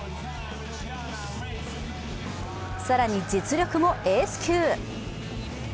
更に実力もエース級。